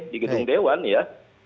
di gedung dewan ya